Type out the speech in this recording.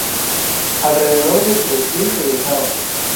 Alrededor de tres mil regresaron.